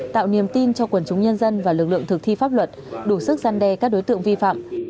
tạo niềm tin cho quần chúng nhân dân và lực lượng thực thi pháp luật đủ sức gian đe các đối tượng vi phạm